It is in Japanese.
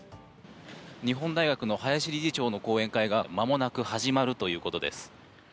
日本大学の林理事長の講演会が間もなく始まるということです。